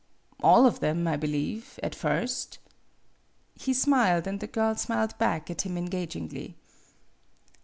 " "All of them, I believe, at first." He smiled, and the girl smiled back at him engagingly.